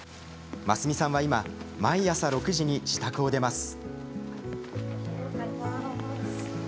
真澄さんは今毎朝６時に自宅を出ます。